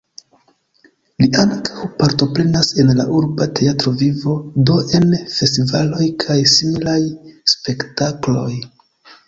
Li ankaŭ partoprenas en la urba teatra vivo, do en festivaloj kaj similaj spektakloj.